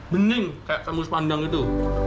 bening kayak tembus pandang itu